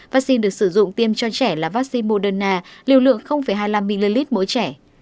vaccine được sử dụng tiêm cho trẻ là vaccine moderna liều lượng hai mươi năm ml mỗi trẻ